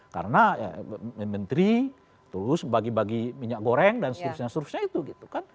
karena menteri terus bagi bagi minyak goreng dan seterusnya seterusnya itu